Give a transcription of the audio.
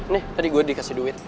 nih tadi gue dikasih duit